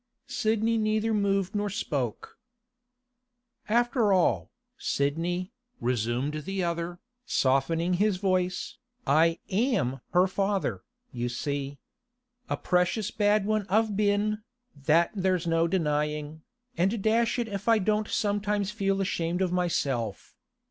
Sidney neither moved nor spoke. 'After all, Sidney,' resumed the other, softening his voice, 'I am her father, you see. A precious bad one I've been, that there's no denying, and dash it if I don't sometimes feel ashamed of myself.